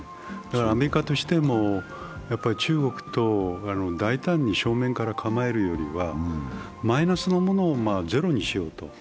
アメリカとしても中国と大胆に正面から構えるよりは、マイナスのものをゼロにしようと。